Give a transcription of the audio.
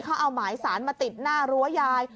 เขาเอาหมายสารมาติดหน้ารั้วยาย